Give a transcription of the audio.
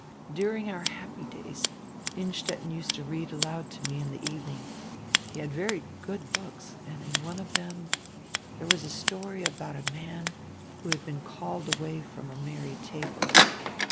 During our happy days Innstetten used to read aloud to me in the evening. He had very good books, and in one of them there was a story about a man who had been called away from a merry table.